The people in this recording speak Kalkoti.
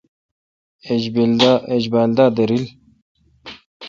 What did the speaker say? ایج بیل دا دریل۔